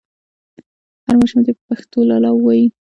هر ماشوم دې په پښتو لالا واوري.